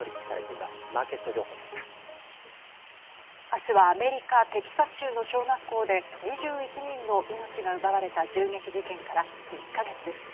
あすはアメリカテキサス州の小学校で２１人の命が奪われた銃撃事件から１か月です。